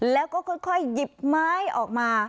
แล้วก็ค่อยหยิบไม้ออกมา